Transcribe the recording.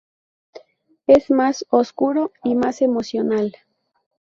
Es más "oscuro" y más emocional.